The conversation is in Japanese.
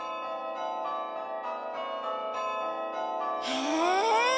へえ！